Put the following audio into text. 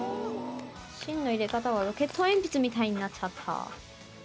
芯の入れ方は、ロケット鉛筆みたいになっちゃった。